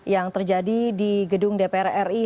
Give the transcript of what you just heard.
yang terjadi di gedung dpr ri